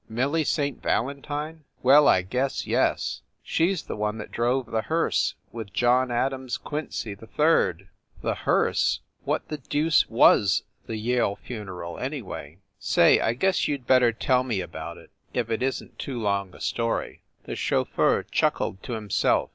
"Millie St. Valentine ? Well, I guess yes ! She s the one that drove the hearse with John Adams Quincy, 3d." "The hearse ! What the deuce w as the Yale fu neral, anyway? Say, I guess you d better tell me about it if it isn t too long a story." The chauffeur chuckled to himself.